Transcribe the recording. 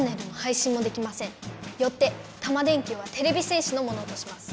よってタマ電Ｑはてれび戦士のものとします。